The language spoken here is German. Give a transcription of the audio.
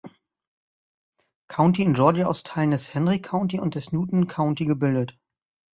County in Georgia aus Teilen des Henry County und des Newton County gebildet.